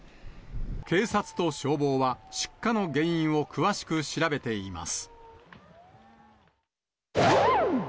警察と消防は、出火の原因を詳しく調べています。